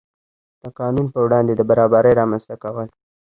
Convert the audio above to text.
د قانون په وړاندې د برابرۍ رامنځته کول.